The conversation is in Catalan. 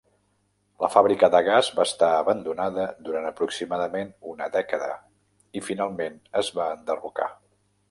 La fàbrica de gas va estar abandonada durant aproximadament una dècada i finalment es va enderrocar.